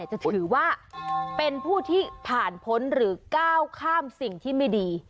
จะถือว่าเป็นผู้ที่ผ่านพ้นหรือก้าวข้ามสิ่งที่ไม่ดี